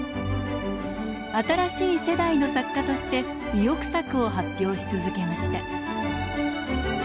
新しい世代の作家として意欲作を発表し続けました。